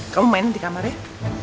kamu main di kamarnya